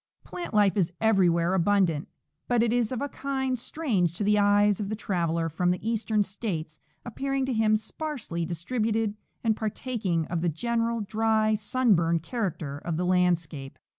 Plant life is everywhere abundant, but it is of a kind strange to the eyes of the traveller from the Eastern states, appearing to him sparsely distributed and ]3ar taking of the general dry sun burned character of the landscape.